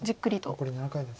残り７回です。